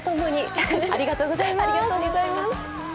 ありがとうございます。